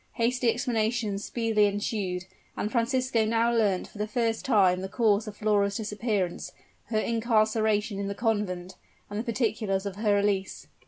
Hasty explanations speedily ensued, and Francisco now learnt for the first time the cause of Flora's disappearance her incarceration in the convent and the particulars of her release.